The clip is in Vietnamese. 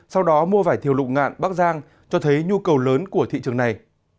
sau đó mua vải thiều lụng ngạn bắc giang cho thấy nhu cầu lớn của thị trường này